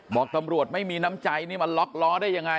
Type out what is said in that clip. บอกตำรวจไม่มีน้ำใจนี่มาล็อกล้อได้ยังไง